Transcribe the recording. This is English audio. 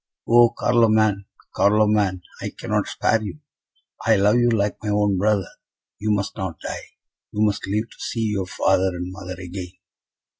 "Oh, Carloman! Carloman! I cannot spare you. I love you like my own brother. You must not die you must live to see your father and mother again!"